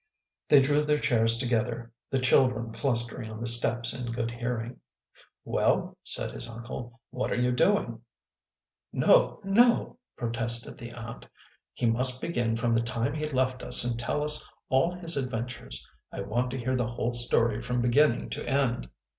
They drew their chairs together, the children clustering on the steps in good hearing. "Well," said his uncle, "what are you doing?" " No, no," protested the aunt. " He must begin from the time he left us and tell us all his adventures. I want to hear the whole story from beginning to end."